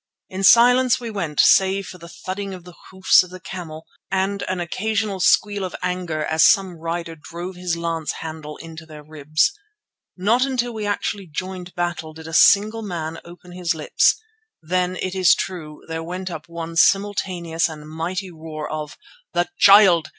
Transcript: In silence we went save for the thudding of the hoofs of the camels and an occasional squeal of anger as some rider drove his lance handle into their ribs. Not until we actually joined battle did a single man open his lips. Then, it is true, there went up one simultaneous and mighty roar of: "The Child!